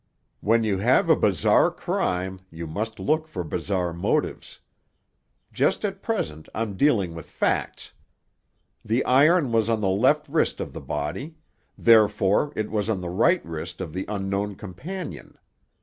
"When you have a bizarre crime you must look for bizarre motives. Just at present I'm dealing with facts. The iron was on the left wrist of the body; therefore, it was on the right wrist of the unknown companion.